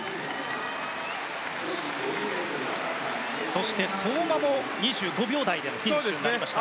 そして相馬も２５秒台でのフィニッシュになりました。